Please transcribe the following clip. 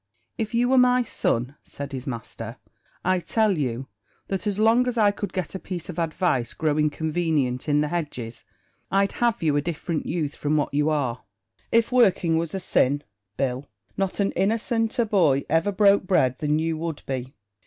"If you were my son," said his master, "I tell you that, as long as I could get a piece of advice growing convenient in the hedges, I'd have you a different youth from what you are. If working was a sin, Bill, not an innocenter boy ever broke bread than you would be.